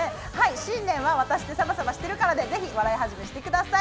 新年は「ワタシってサバサバしてるから」でぜひ笑い始めして下さい。